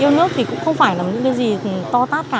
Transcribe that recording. yêu nước thì cũng không phải là những cái gì to tát cả